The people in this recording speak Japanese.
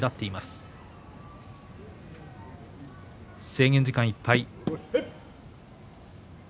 制限時間いっぱい。